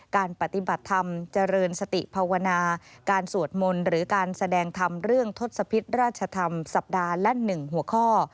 การปฏิบัติธรรมเจริญสติภาวนาการสวดมนต์หรือการแสดงธรรมเรื่องทศพิษราชธรรมสัปดาห์ละ๑หัวข้อ